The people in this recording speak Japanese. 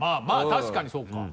確かにそうか。